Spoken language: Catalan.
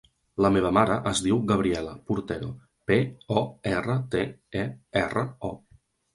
La meva mare es diu Gabriela Portero: pe, o, erra, te, e, erra, o.